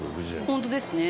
本当ですね。